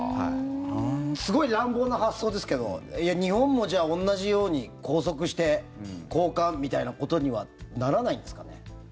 すごい乱暴な発想ですけど日本もじゃあ、同じように拘束して交換みたいなことにはならないんですかね。